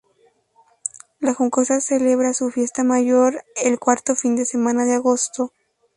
La Juncosa celebra su fiesta mayor el cuarto fin de semana de agosto.